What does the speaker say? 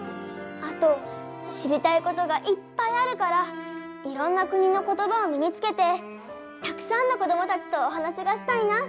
あと知りたいことがいっぱいあるからいろんな国の言葉をみにつけてたくさんのこどもたちとおはなしがしたいな。